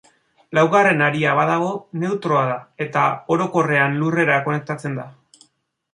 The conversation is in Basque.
Laugarren haria badago, neutroa da, eta orokorrean lurrera konektatzen da.